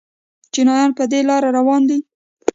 چینایان په دې لار روان دي.